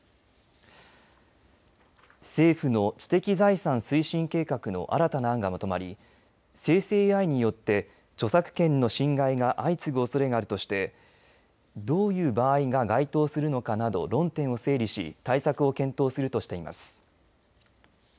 政府の知的財産推進計画の新たな案がまとまり生成ＡＩによって著作権の侵害が相次ぐおそれがあるとしてどういう場合が該当するのかなど論点を整理し対策を検討するとしています。